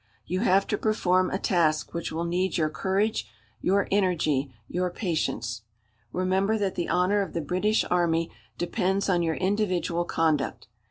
You have to perform a task which will need your courage, your energy, your patience. Remember that the honour of the British Army depends on your individual conduct.